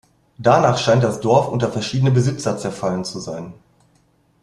Danach scheint das Dorf unter verschiedene Besitzer zerfallen zu sein.